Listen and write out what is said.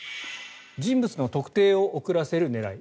人物の特定を遅らせる狙い